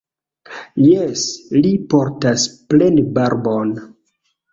Jes, li portas plenbarbon.